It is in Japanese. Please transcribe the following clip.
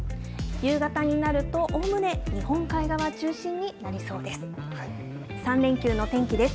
夕方になると、おおむね日本海側中心になりそうです。